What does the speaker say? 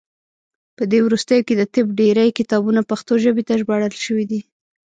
په دې وروستیو کې د طب ډیری کتابونه پښتو ژبې ته ژباړل شوي دي.